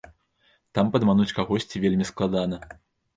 Там падмануць кагосьці вельмі складана.